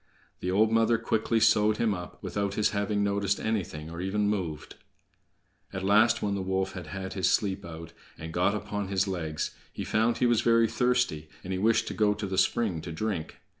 The old mother quickly sewed him up, without his having noticed anything, or even moved. At last, when the wolf had had his sleep out, and got upon his legs, he found he was very thirsty, and wished to go to the spring to drink.